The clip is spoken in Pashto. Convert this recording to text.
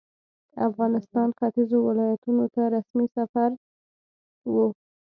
افغانستان ختیځو ولایتونو ته رسمي سفر وو.